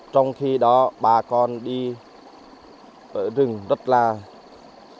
trong khi đó bà con đi ở rừng rất là